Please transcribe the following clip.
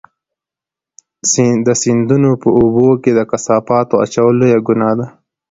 د سیندونو په اوبو کې د کثافاتو اچول لویه ګناه ده.